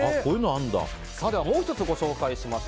もう１つご紹介します。